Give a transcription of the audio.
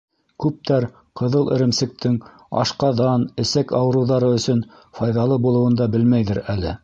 Күптәр ҡыҙыл эремсектең ашҡаҙан-эсәк ауырыуҙары өсөн файҙалы булыуын да белмәйҙер әле.